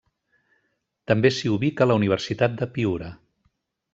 També s'hi ubica la Universitat de Piura.